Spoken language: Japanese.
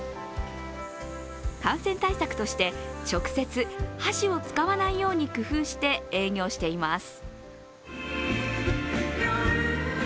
感染対策として直接箸を使わないように工夫して営業しています。